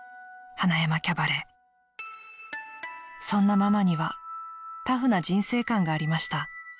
［そんなママにはタフな人生観がありました］